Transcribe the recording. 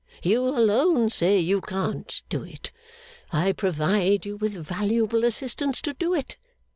You alone say you can't do it. I provide you with valuable assistance to do it.